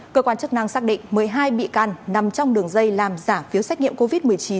cơ quan chức năng xác định một mươi hai bị can nằm trong đường dây làm giả phiếu xét nghiệm covid một mươi chín